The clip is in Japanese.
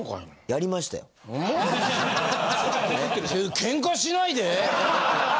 ケンカしないで。